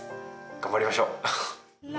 頑張りましょう。